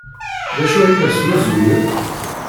D acu ay la snuzuyen?